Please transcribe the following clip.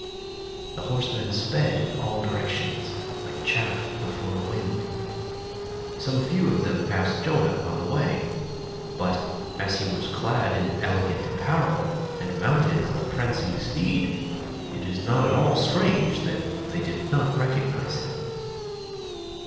The horsemen sped in all directions, like chaff before a wind. Some few of them passed Jonah on the way, but as he was clad in elegant apparel, and mounted on a prancing steed, it is not at all strange that they did not recognize him.